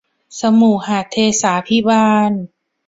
สมุหเทศาภิบาล